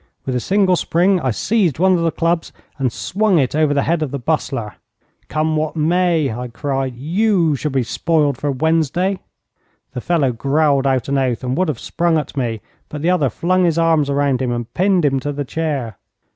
With a single spring I seized one of the clubs and swung it over the head of the Bustler. 'Come what may,' I cried, 'you shall be spoiled for Wednesday.' The fellow growled out an oath, and would have sprung at me, but the other flung his arms round him and pinned him to the chair.